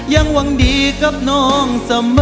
ยังหวังดีกับน้อง